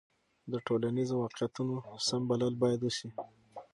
د ټولنیزو واقعیتونو سم بلل باید وسي.